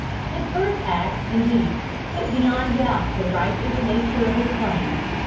His first act, indeed, put beyond doubt the righteous nature of his claim.